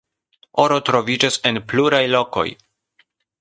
Oro troviĝas en pluraj lokoj.